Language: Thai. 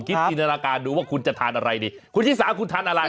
จินตนาการดูว่าคุณจะทานอะไรดีคุณชิสาคุณทานอะไร